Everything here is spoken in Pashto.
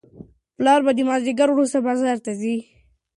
پلار به د مازیګر وروسته بازار ته ځي.